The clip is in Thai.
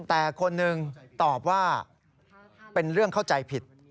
แต่คนหนึ่งตอบว่าเป็นเรื่องเข้าใจผิด